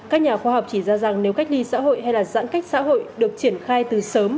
các nhà khoa học chỉ ra rằng nếu cách ly xã hội hay là giãn cách xã hội được triển khai từ sớm